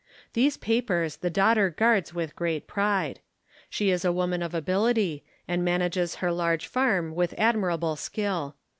These papers the daugh ter guards with great pride. She is a woman of ability and manages her large farm with admirable skill.